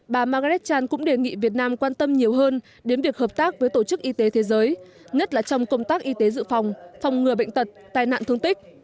bà margaretchan cũng đề nghị việt nam quan tâm nhiều hơn đến việc hợp tác với tổ chức y tế thế giới nhất là trong công tác y tế dự phòng phòng ngừa bệnh tật tai nạn thương tích